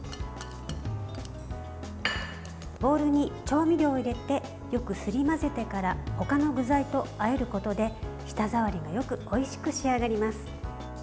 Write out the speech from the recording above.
ボウルに調味料を入れてよく、すり混ぜてから他の具材とあえることで舌触りがよくおいしく仕上がります。